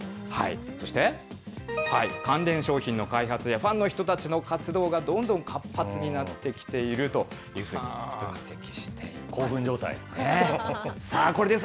そして、関連商品の開発やファンの人たちの活動がどんどん活発になってきているというふうに分析しています。